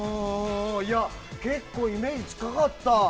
結構、イメージに近かった。